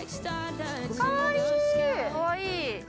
◆かわいい！